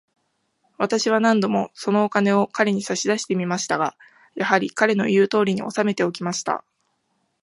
私は何度も、そのお金を彼に差し出してみましたが、やはり、彼の言うとおりに、おさめておきました。